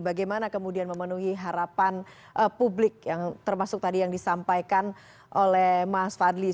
bagaimana kemudian memenuhi harapan publik yang termasuk tadi yang disampaikan oleh mas fadli